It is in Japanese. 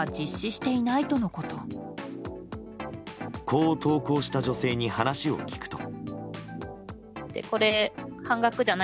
こう投稿した女性に話を聞くと。